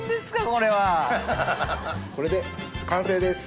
これで完成です。